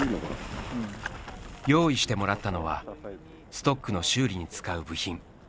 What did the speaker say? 用意してもらったのはストックの修理に使う部品。